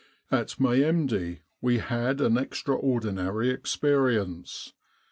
At Mehemdia we had an extraordinary experience.